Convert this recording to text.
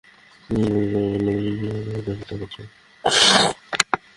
তারা প্রতি উত্তরে বলল, তুমি কি আমাদের সাথে ঠাট্টা করছ?